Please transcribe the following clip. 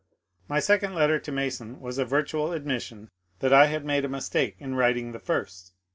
My second letter to Mason was a virtual admission tiiat I had made a mistake in writing the first.